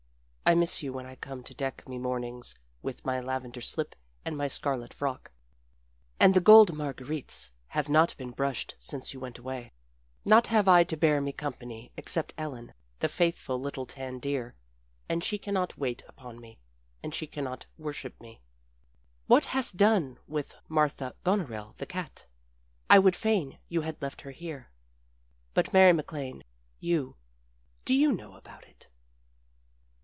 I miss you when I come to deck me mornings with my lavender slip and my scarlet frock. And the gold marguerites have not been brushed since you went away. Naught have I to bear me company except Ellen, the faithful little tan deer and she can not wait upon me, and she cannot worship me. What hast done with Martha Goneril the cat? I would fain you had left her here. But Mary MacLane you. Do you know about it?